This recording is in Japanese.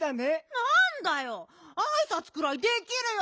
なんだよあいさつくらいできるよ！